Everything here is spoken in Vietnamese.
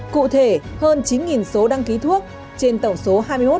cụ thể hơn chín số đăng ký thuốc trên tổng số hai mươi một